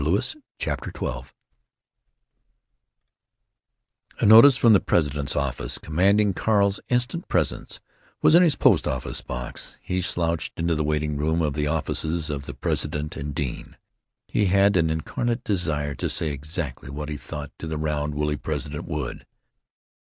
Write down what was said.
CHAPTER XII notice from the president's office, commanding Carl's instant presence, was in his post office box. He slouched into the waiting room of the offices of the president and dean. He was an incarnate desire to say exactly what he thought to the round, woolly President Wood.